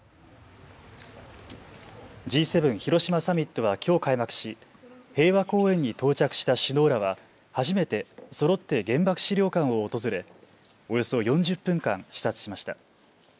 Ｇ７広島サミットはきょう開幕し平和公園に到着した首脳らは初めてそろって原爆資料館を訪れおよそ４０分間視察しました。